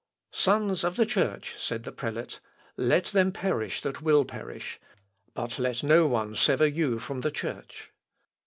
"Sons of the church," said the prelate, "let them perish that will perish, but let no one sever you from the church."